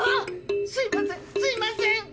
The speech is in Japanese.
すいません！